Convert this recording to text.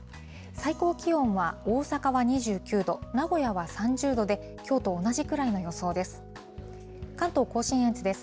最高気温は大阪は２９度、名古屋は３０度で、きょうと同じくらいの予想です。